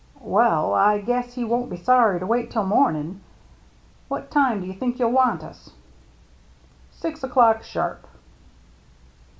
" Well — I guess he won't be sorry to wait till mornin'. What time do you think you'll want us ?"" Six o'clock sharp."